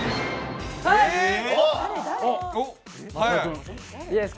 はい！